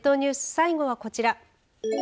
最後はこちら。